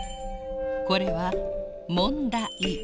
これはもんだ「い」。